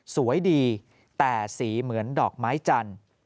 สวยดีแต่สีเหมือนดอกไม้จันทร์